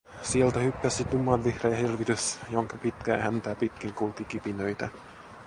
Sieltä hyppäsi tummanvihreä hirvitys, jonka pitkää häntää pitkin kulki kipinöitä.